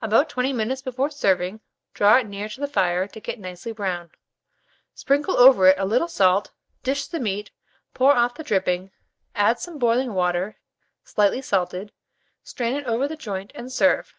About 20 minutes before serving, draw it near the fire to get nicely brown; sprinkle over it a little salt, dish the meat, pour off the dripping, add some boiling water slightly salted, strain it over the joint, and serve.